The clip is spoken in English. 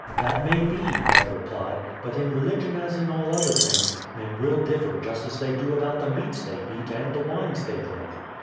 "That may be," Ned replied. "But in religion as in all other things, men will differ just as they do about the meats they eat and the wines they drink."